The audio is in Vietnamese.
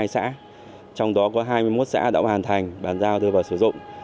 hai xã trong đó có hai mươi một xã đã hoàn thành bàn giao đưa vào sử dụng